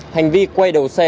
hành vi quay đầu xe